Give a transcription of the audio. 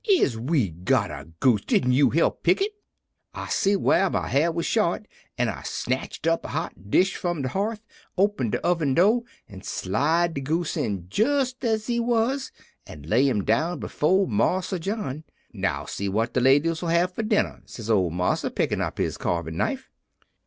"'Is we got a goose? Didn't you help pick it?' "I see whar my hair was short, an' I snatched up a hot dish from de hearth, opened de oven do', an' slide de goose in jes as he was, an' lay him down befo' Marsa John. "'Now see what de ladies'll have for dinner,' says old marsa, pickin' up his caarvin' knife.